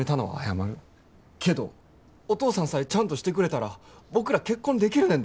けどお父さんさえちゃんとしてくれたら僕ら結婚できるねんで。